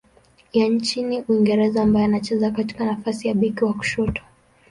ya nchini Uingereza ambaye anacheza katika nafasi ya beki wa kushoto.